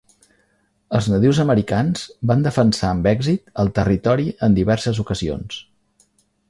Els nadius americans van defensar amb èxit el territori en diverses ocasions.